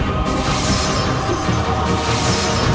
sang penguasa kerajaan penyelidikan